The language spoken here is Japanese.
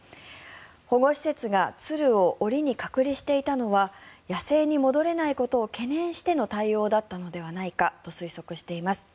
保護施設が鶴を檻に隔離していたのは野生に戻れないことを懸念しての対応だったのではないかと推測しています。